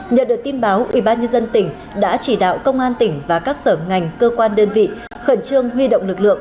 nhận được tin báo ubnd tỉnh đã chỉ đạo công an tỉnh và các sở ngành cơ quan đơn vị khẩn trương huy động lực lượng